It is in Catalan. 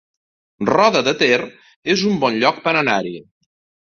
Roda de Ter es un bon lloc per anar-hi